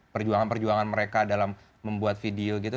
perjuangan perjuangan mereka dalam membuat video gitu